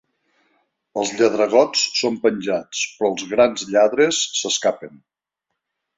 Els lladregots són penjats, però els grans lladres s'escapen.